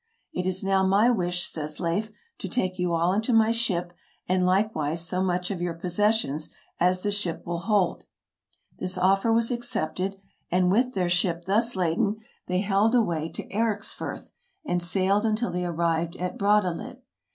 " It is now my wish," says Leif, "to take you all into my ship, and likewise so much of your posses sions as the ship will hold." This offer was accepted, and THE EARLY EXPLORERS 13 [with their ship] thus laden they held away to Ericsfirth, and sailed until they arrived at Brattahlid.